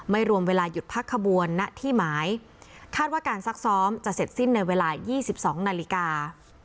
รวมเวลาหยุดพักขบวนณที่หมายคาดว่าการซักซ้อมจะเสร็จสิ้นในเวลา๒๒นาฬิกา